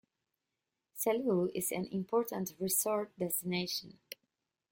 Salou is an important resort destination.